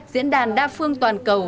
diễn đàn đa phương toàn cầu